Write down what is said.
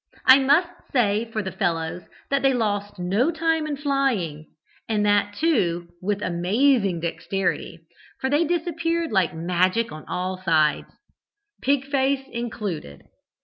I must say for the fellows that they lost no time in flying, and that too with amazing dexterity, for they disappeared like magic on all sides, Pig face included.